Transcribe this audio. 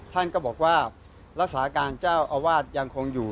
ท่านก็บอกว่ารักษาการเจ้าอาวาสยังคงอยู่